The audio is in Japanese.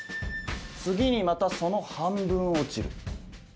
次にまたその半分落ちる。